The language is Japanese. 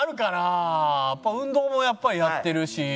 運動もやっぱりやってるし。